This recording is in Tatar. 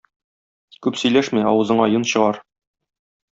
Күп сөйләшмә, авызыңа йон чыгар.